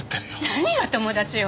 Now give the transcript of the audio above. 何が友達よ。